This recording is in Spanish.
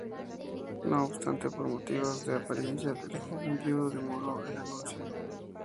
No obstante, por motivos de apariencias, el joven viudo demoró el anuncio.